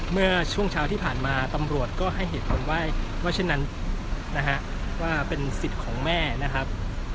เมื่อช่วงเช้าที่ผ่านมาตำรวจก็ให้เหตุผลว่าเช่นนั้นนะฮะว่าเป็นสิทธิ์ของแม่นะครับ